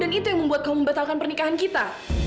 dan itu yang membuat kamu membatalkan pernikahan kita